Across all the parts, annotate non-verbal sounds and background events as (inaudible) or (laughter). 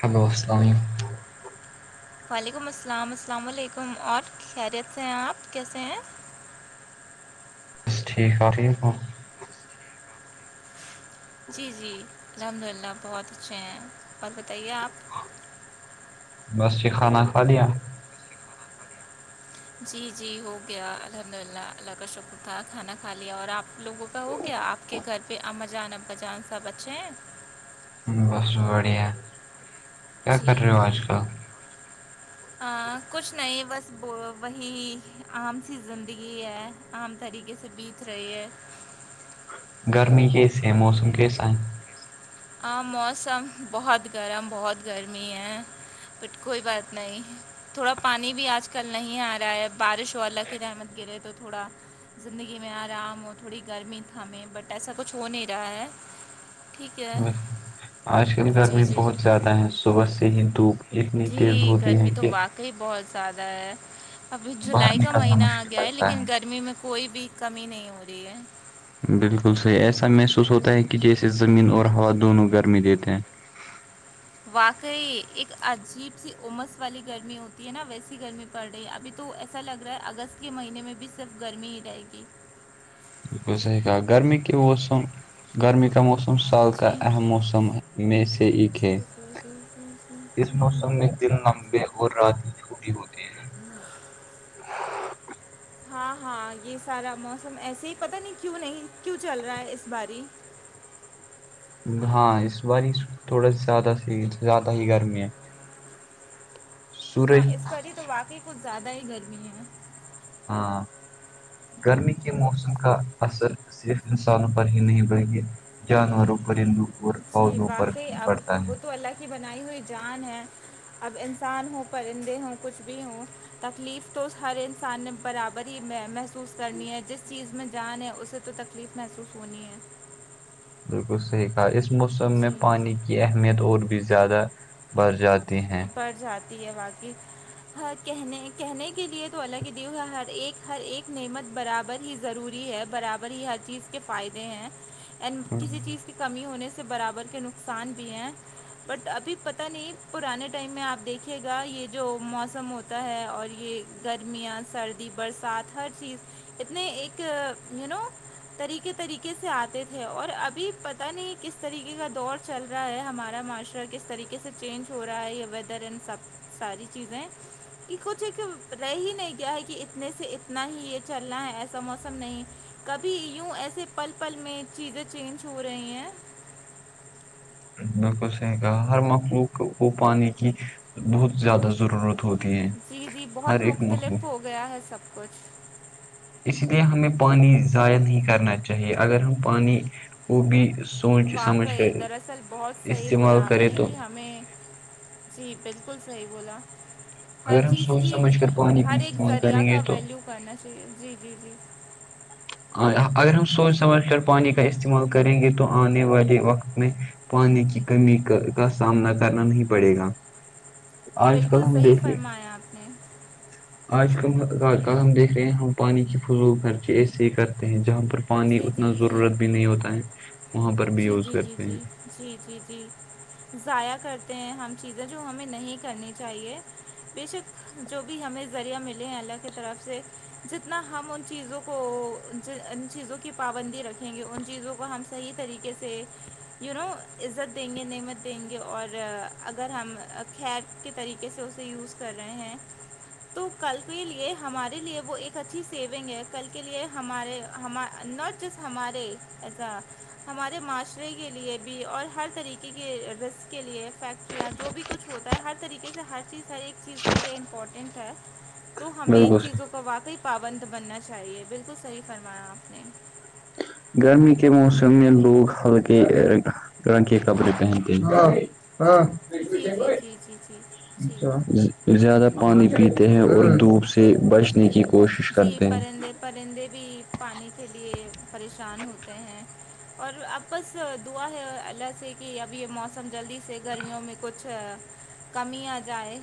hello السلام علیکم وعلیکم السلام السلام علیکم اور خیریت سے ہیں اپ کیسے ہیں بس ٹھیک (inaudible) جی جی الحمد للہ بہت اچھے ہیں اور بتائیے آپ بس یہ کھانا کھا لیا جی جی ہو گیا الحمد للہ اللہ کا شکر تھا کھانا کھا لیا اور آپ لوگوں کا ہو گیا آپ کے گھر پہ امجان اباجان سب اچھے ہیں بس بڑھیا کیا کر جی رہے ہو آج کل کچھ نہیں بس وہی عام سی زندگی ہے عام طریقے سے بیت رہی ہے گرمی کیسے ہے موسم کیسا ہے ہاں موسم بہت گرم بہت گرمی ہے بٹ کوئی بات نہیں تھوڑا پانی بھی آج کل نہیں آ رہا ہے بارش والا کی رحمت گرے تو تھوڑا زندگی میں آرام ہو تھوڑی گرمی تھا ہمیں بٹ ایسا کچھ ہو نہیں رہا ہے ٹھیک ہے آج کل جی گرمی جی بہت زیادہ ہے صبح سے ہی دھوپ اتنی تیز ہوتی ہے کہ کہی بہت زیادہ ہے ابھی باہر جولائی کا نکلنا مہینہ آ مشکل گیا ہے لگتا لیکن گرمی میں کوئی بھی کمی نہیں ہو رہی ہے بالکل صحیح ایسا محسوس ہوتا ہے کہ جیسے زمین اور ہوا دونوں گرمی دیتے ہیں (unintelligible) واقعی ایک عجیب سی امس والی گرمی ہوتی ہے نا ویسی گرمی پڑ رہی ہے ابھی تو ایسا لگ رہا ہے اگست کے مہینے میں بھی صرف گرمی ہی رہے گی بالکل صحیح کہ گرمی کے موسم گرمی کا موسم (unintelligible) سال کا جی اہم موسم میں سے ایک ہے (unintelligible) اس موسم میں دن لمبے اور رات ہی چھوٹی ہوتے ہیں ہاں ہاں یہ سارا موسم ایسے ہی پتہ نہیں کیوں نہیں کیوں چل رہا ہے اس باری ہاں اس بار تھوڑا س زیادہ سے زیادہ ہی گرمی ہے ہاں سورج اس پر ہی تو واقعی کچھ زیادہ ہی گرمی ہے ہاں گرمی کے موسم کا اثر صرف انسانوں پر ہی نہیں پڑ گی جانوروں پرندوں اور جی پودوں پر واقعی بھی اب پڑتا ہے وہ تو اللہ کی بنائی ہوئی جان ہے اب انسان ہوں پرندے ہوں کچھ بھی ہوں تکلیف تو ہر انسان نے برابر ہی محسوس کرنی ہے جس چیز میں جان ہے اسے تو تک تکلیف محسوس ہونی ہے بالکل صحیح کہا اس موسم میں جی پانی یہ اہمیت اور بھی زیادہ بڑھ جاتی ہیں پڑ جاتی ہے واقعی حا کہنے کہنے کے لیے تو اللہ کی دیا ہر ایک ہر ایک نعمت برابر ہی ضروری ہے برابر ہی ہر چیز کے فائدے ہیں اینڈ کسی چیز کی کمی ہونے سے برابر کے نقصان بھی ہیں بٹ ابھی پتہ نہیں پرانے ٹائم میں آپ دیکھیے گا یہ جو موسم ہوتا ہے اور یہ گرمیاں سردی برسات ہر چیز اتنے ایک یو نو طریقے طریقے سے آتے تھے اور ابھی پتہ نہیں کس طریقے کا دور چل رہا ہے ہمارا معاشرہ کس طریقے سے چینج ہو رہا ہے یہ ویدر ان سب ساری چیزیں کہ کچھ ایک رہ ہی نہیں گیا ہے کہ اتنے سے اتنا ہی یہ چلنا ہے ایسا موسم نہیں کبھی یوں ایسے پل پل میں چیزیں چینج ہو رہی ہیں بالکل صحیح کہا ہر مخلوق کو پانی کی بہت زیادہ ضرورت ہوتی ہے جی جی ہر بہت ایک مخلوق مختلف ہو گیا ہے سب کچھ اس لیے ہمیں پانی ضائع نہیں کرنا چاہیے اگر ہم پانی وہ بھی سوچ سمجھ واقعی کر دراصل بہت صحیح بولا استعمال آپ کریں نے تو کہ ہمیں جی بالکل صحیح بولا ہر اگر ہم چیز سوچ کی سمجھ کر پانی کو ہر ایک استعمال ذریعہ کریں گے کا تو ویلیو کرنا چاہیے جی جی جی ایا اگر ہم سوچ سمجھ کر پانی کا استعمال کریں گے تو آنے والے وقت میں پانی کی کمی کا کا سامنا کرنا نہیں پڑے گا آج کل ہم دیکھ لیے ہے آپ نے آج کم کل ہم دیکھ رہے ہیں ہم پانی کی فضول خرچے ایسے ہی کرتے ہیں جہاں پر پانی جی جی اتنا جی ضرورت بھی نہیں ہوتا ہے وہاں پر بھی جی یوز جی جی کرتے جی ہیں جی جی جی ضائع کرتے ہیں ہم چیزیں جو ہمیں نہیں کرنی چاہیے بے شک جو بھی ہمیں ذریعہ ملے ہیں اللہ کی طرف سے جتنا ہم ان چیزوں کو ان چیزوں کی پابندی رکھیں گے ان چیزوں کو ہم صحیح طریقے کیسے یو نو عزت دیں گے نعمت دیں گے اور اگر ہم خیر کے طریقے سے اسے یوز کر رہے ہیں تو کل کے لیے ہمارے لیے وہ ایک اچھی سیونگ ہے کل کے لیے ہمارے ہما نکہ جس ہمارے ایسا ہمارے معاشرے کے لیے بھی اور ہر طریقے کے رزق کے لیے فیکٹریاں جو بھی کچھ ہوتا ہے ہر طریقے سے ہر چیز ہر ایک چیز کے لیے امپورٹنٹ ہے تو ہمیں بالکل ان صحیح چیزوں کا واقعی پابند بننا چاہیے بالکل صحیح فرمایا گرمی کے موسم میں لوگ ہلکے رنگ کے کپڑے پہنتے ہیں جی جی جی جی جی جی زیادہ پانی پیتے ہیں اور دھوپ سے سے جی بچنے کی کوشش جی کرتے ہیں پرندے پرندے بھی پانی کے لیے پریشان ہوتے ہیں اور اب بس دعا ہے اللہ سے کہ اب یہ موسم جلدی سے گرمیوں میں کچھ کمی ا جائے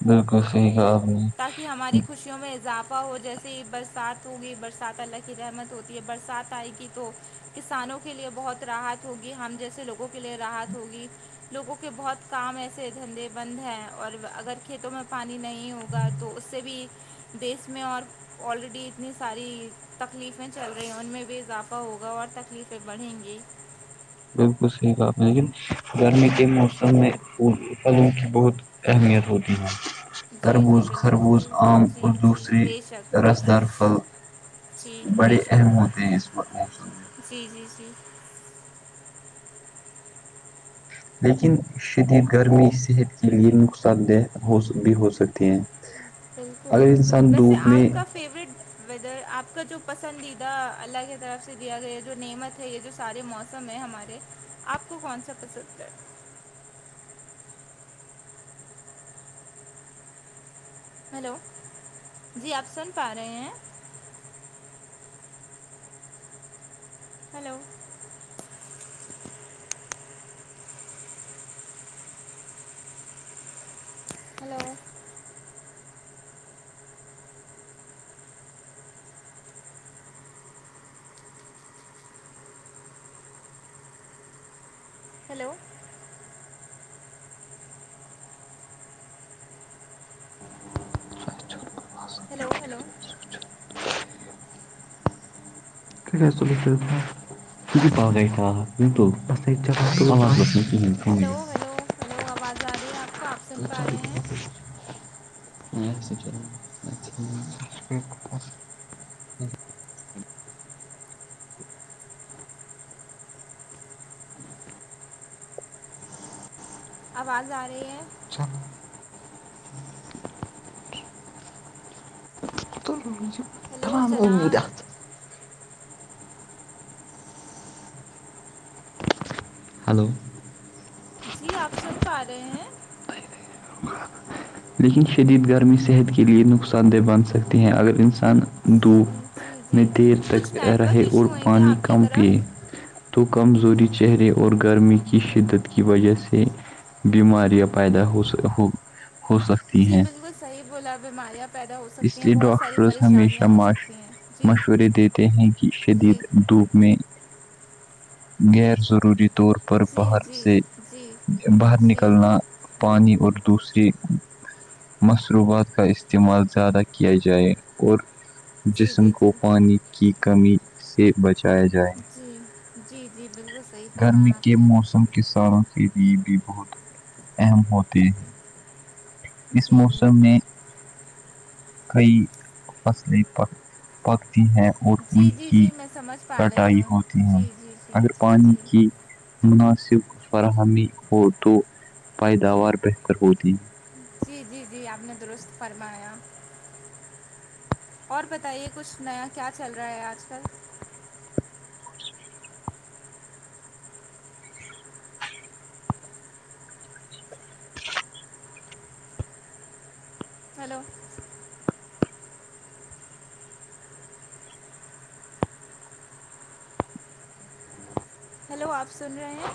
بالکل صح تاکہ ہماری خوشیوں میں اضافہ ہو جیسے برسات ہوگی برسات اللہ کی رحمت ہوتی ہے برسات آئے گی تو کسانوں کے لیے بہت راحت ہوگی ہم جیسے لوگوں کے لیے راحت ہوگی لوگوں کے بہت کام ایسے دھندے بند ہیں اور اگر کھیتوں میں پانی نہیں ہو ہوگا تو اس سے بھی دیس میں اور آلریڈی اتنی ساری تکلیفیں چل رہی ہیں ان میں بھی اضافہ ہوگا اور تکلیفیں بڑھیں گی بالکل صحیح بات ہے لیکن گرمی کے موسم میں پ پھلوں کی بہت اہمیت ہوتی ہے جی جی تربوز بالکل خربوز صحیح عام جی اور جی دوسری بے شک بے رس دار شک پھل جی بڑے بے اہم شک ہوتے ہیں اس موسم میں جی جی جی لیکن شدید گرمی صحت کے لیے نقصان دہ ہو بھی ہو سکتی ہیں بالکل اگر انسان ویسے دھوپ آپ میں کا فیوریٹ ویدر آپ کا جو پسندیدہ اللہ کی طرف سے دیا گیا جو نعمت ہے یہ جو سارے موسم موسم ہے ہمارے آپ کو کون سا پسند کر ہیلو جی آپ سن پا رہے ہیں hello hello hello hello hello (unintelligible) (unintelligible) hello hello hello آواز آ رہی ہے آپ کو آپ سن پا رہے ہیں (unintelligible) آواز آ رہی ہے چلو ہیلو جناب (unintelligible) ہلو جی آپ سن پا رہے ہیں (unintelligible) لیکن شدید گرمی صحت کے لیے نقصان دہ بن سکتے ہیں اگر انسان د جی جی میں جی دیر تک کچھ نیٹ رہے ورک اور ایشو ہیں کیا پانی آپ کی کم طرف پیئے تو کمزوری چہرے اور گرمی کی شدت کی وجہ سے بیماریاں پیدا ہو ہو سکتی ہیں وہ صحی بولا بیماریا اس لیے ڈاکٹرز ہمیشہ ہو سکتی ہیں جی مشورے دیتے ہیں کی شدید جی دوپ میں غیرضروری طور پر پر جی باہر جی سے جی باہر جی نکلنا پانی اور دوسریے مصروبات کا استعمال زیادہ کیا جائے اور جی جسم جی کو جی پانی کی کمی سے بچایا جائے جی جی جی بالکل صحیح گرمی فرمایا کے آپ نے موسم کے سالوں کے لیے بھی بہت اہم ہوتے ہیں اس جی جی موسم میں جی کئی فصلیں پکتی ہیں اور ان جی جی کی جی میں سمجھ پا رہی کٹائی ہوں ہوتی ہیں جی جی جی اگر جی پانی کی جی مناسب فراہمی ہو تو پیداوار بہتر ہوتی ہے جی جی جی آپ نے درست فرمایا اور بتائیے کچھ نیا کیا چل رہا ہے آج کل ہیلو ہیلو آپ سن رہے ہیں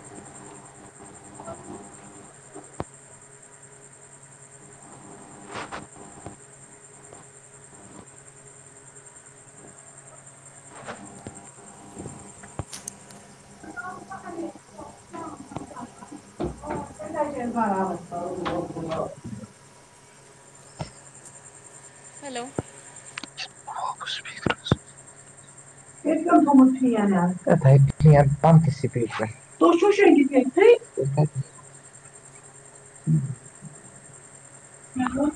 چیر بارا (unintelligible) ہیلو اسیکر (unintelligible) ت بم کسی پی (unintelligible) ت چو شک (unintelligible) پتا پ تھمت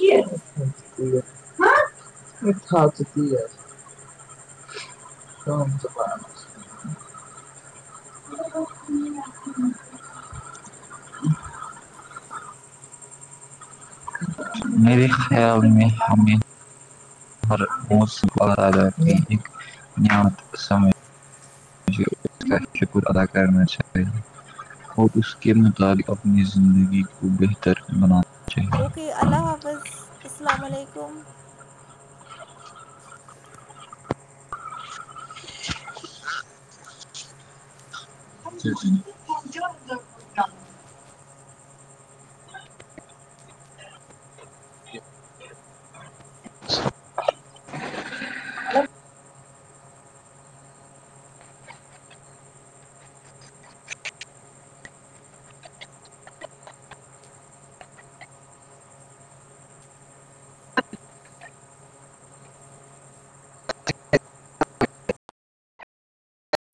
کی ہ (unintelligible) یہ تھااتتی ہے کام تو ب (unintelligible) ہ (unintelligible) میری ہے ا ہمیں ہر ب س بال راجا کے ایک جت سمے (unintelligible) جی شکر اداکارنا (unintelligible) اور اس کے متعلق اپنی زندگی کو بہتر بنانا اوکے اللہ حافظ السلام علیکم (unintelligible) آ (unintelligible) (unintelligible) (unintelligible)